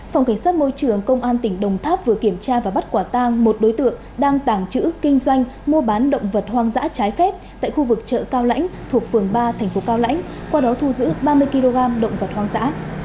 phòng cảnh sát môi trường công an tỉnh đồng tháp vừa kiểm tra và bắt quả tang một đối tượng đang tàng trữ kinh doanh mua bán động vật hoang dã trái phép tại khu vực chợ cao lãnh thuộc phường ba thành phố cao lãnh qua đó thu giữ ba mươi kg động vật hoang dã